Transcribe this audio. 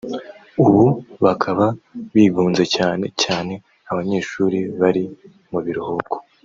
ubu bakaba bigunze cyane cyane abanyeshuli bari mu biruhuko